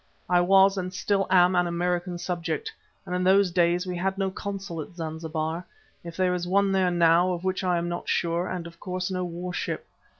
I was and still am an American subject, and in those days we had no consul at Zanzibar, if there is one there now, of which I am not sure, and of course no warship.